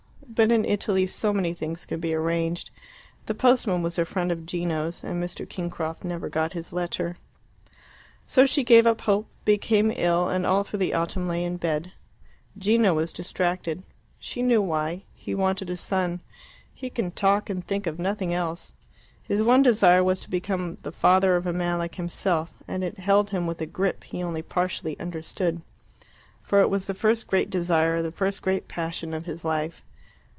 But in Italy so many things can be arranged. The postman was a friend of Gino's, and Mr. Kingcroft never got his letter. So she gave up hope, became ill, and all through the autumn lay in bed. Gino was distracted. She knew why; he wanted a son. He could talk and think of nothing else. His one desire was to become the father of a man like himself, and it held him with a grip he only partially understood, for it was the first great desire, the first great passion of his life.